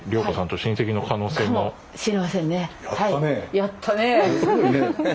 やったね。